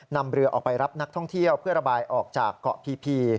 นำเรือออกไปรับนักท่องเที่ยวเพื่อระบายออกจากเกาะพี